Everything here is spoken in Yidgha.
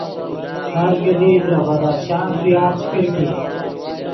ہر کیدی ترے بدخشان ݰویا چے کرکیت